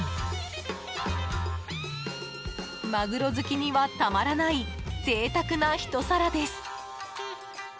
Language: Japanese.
マグロ好きにはたまらない贅沢なひと皿です。